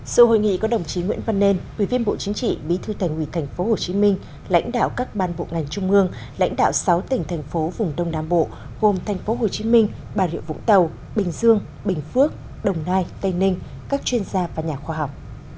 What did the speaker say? sự hội nghị có đồng chí nguyễn văn nên ủy viên bộ chính trị bí thư thành ủy tp hcm lãnh đạo các ban bộ ngành trung ương lãnh đạo sáu tỉnh thành phố vùng đông nam bộ gồm tp hcm bà rịa vũng tàu bình dương bình phước đồng nai tây ninh các chuyên gia và nhà khoa học